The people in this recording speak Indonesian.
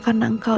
terima kasih bu